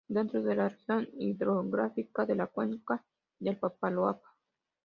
Dentro de la región hidrográfica de la cuenca del papaloapan.